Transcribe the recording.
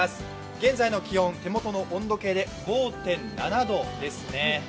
現在の気温、手元の温度計で５．７度ですね。